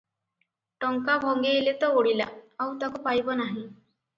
ଟଙ୍କା ଭଙ୍ଗେଇଲେ ତ ଉଡ଼ିଲା, ଆଉ ତାକୁ ପାଇବ ନାହିଁ ।